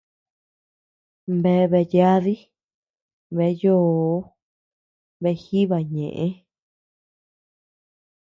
Beaa bea yaadí, bea yoo, bea jiiba ñëʼe.